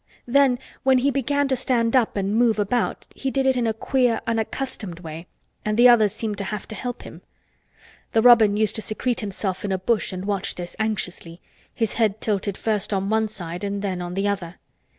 Then when he began to stand up and move about he did it in a queer unaccustomed way and the others seemed to have to help him. The robin used to secrete himself in a bush and watch this anxiously, his head tilted first on one side and then on the other.